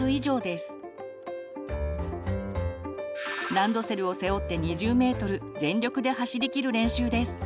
ランドセルを背負って２０ｍ全力で走りきる練習です。